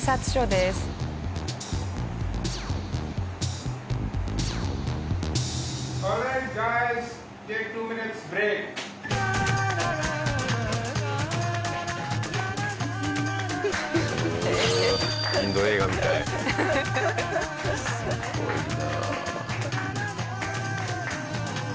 すごいな。